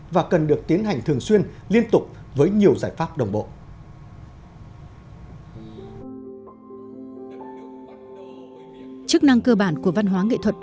và cần được tiến hành thường xuyên liên tục với nhiều giải pháp đồng bộ